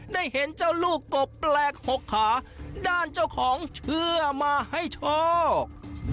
ได้เห็นเจ้าลูกกบแปลกหกขาด้านเจ้าของเชื่อมาให้โชค